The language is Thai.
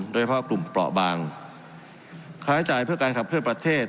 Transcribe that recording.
โดยเฉพาะกลุ่มเปราะบางค่าใช้จ่ายเพื่อการขับเคลื่อนประเทศ